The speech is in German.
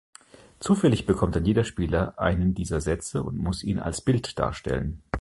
Zufällig bekommt dann jeder Spieler einen dieser Sätze und muss ihn als Bild darstellen.